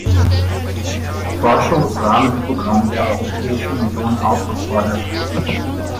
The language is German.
Forschungsrahmenprogramm der Europäischen Union aufgefordert.